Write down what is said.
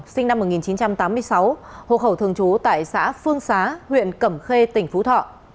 sinh năm một nghìn chín trăm tám mươi sáu hộ khẩu thường trú tại xã phương xá huyện cẩm khê tỉnh phú thọ